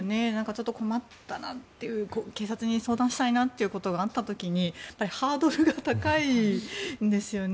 ちょっと困ったなという警察に相談したいなということがあった時にハードルが高いんですよね。